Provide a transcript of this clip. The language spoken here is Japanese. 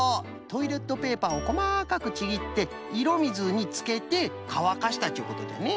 トイレットペーパーをこまかくちぎっていろみずにつけてかわかしたっちゅうことじゃね。